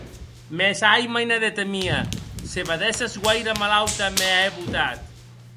Mès, ai, mainadeta mia, se vedesses guaire malauta m’è botat!